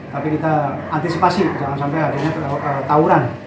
tapi kita antisipasi jangan sampai akhirnya terlalu ketawuran